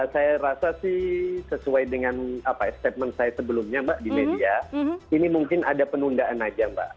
saya rasa sih sesuai dengan statement saya sebelumnya mbak di media ini mungkin ada penundaan aja mbak